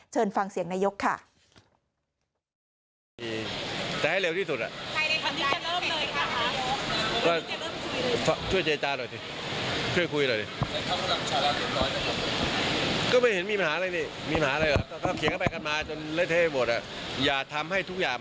ฟังเสียงนายกค่ะ